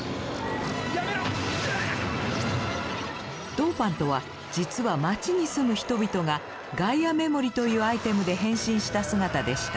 ドーパントは実は街に住む人々がガイアメモリというアイテムで変身した姿でした。